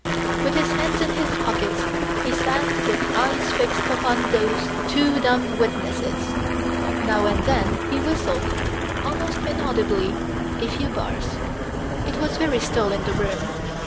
With his hands in his pockets he sat with eyes fixed upon those two dumb witnesses. Now and then he whistled, almost inaudibly, a few bars. It was very still in the room.